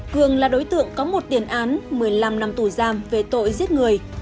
cường là đối tượng có một tiền án một mươi năm năm tù giam về tội giết người